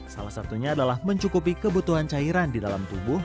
salah satunya adalah mencukupi kebutuhan cairan di dalam tubuh